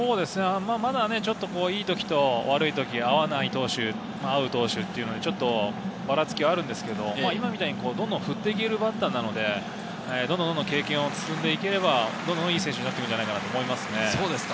まだちょっといい時と悪いとき、合わない投手・合う投手、ばらつきがあるんですけれど、今みたいにどんどん振っていけるバッターなので経験を積んで行ければいい選手になっていくんじゃないかなと思います。